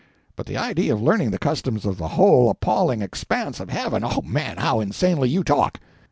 But the idea of learning the customs of the whole appalling expanse of heaven—O man, how insanely you talk!